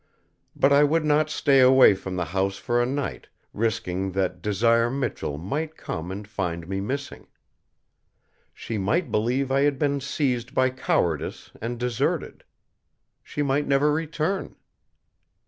But I would not stay away from the house for a night, risking that Desire Michell might come and find me missing. She might believe I had been seized by cowardice and deserted. She might never return.